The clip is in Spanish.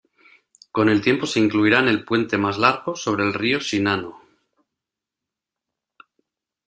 Con el tiempo se incluirán el puente más largo sobre el río Shinano.